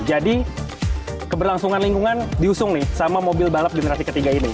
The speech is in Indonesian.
jadi keberlangsungan lingkungan diusung nih sama mobil balap generasi ketiga ini